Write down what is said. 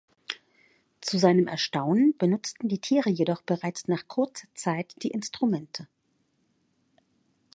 Zu seinem Erstaunen benutzten die Tiere jedoch bereits nach kurzer Zeit die Instrumente.